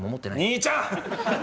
兄ちゃん！